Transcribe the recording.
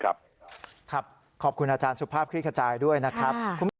ครับขอบคุณอาจารย์สุภาพคริกจายด้วยนะครับ